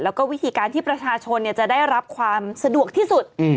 แล้วก็วิธีการที่ประชาชนจะได้รับความสะดวกที่สุด